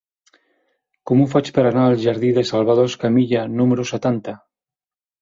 Com ho faig per anar al jardí de Salvador Escamilla número setanta?